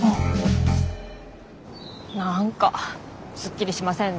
何かすっきりしませんね。